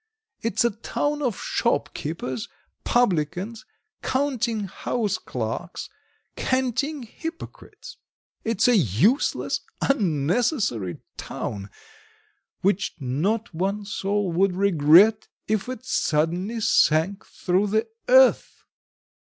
It's a town of shopkeepers, publicans, counting house clerks, canting hypocrites; it's a useless, unnecessary town, which not one soul would regret if it suddenly sank through the earth."